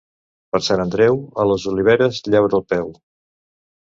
Per Sant Andreu, a les oliveres llaura el peu.